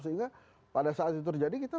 sehingga pada saat itu terjadi kita